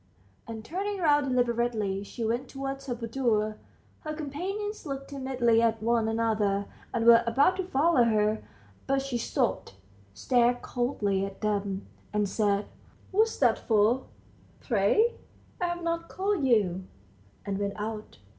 And, turning round deliberately, she went towards her boudoir. Her companions looked timidly at one another, and were about to follow her, but she stopped, stared coldly at them, and said, "What's that for, pray? I've not called you," and went out.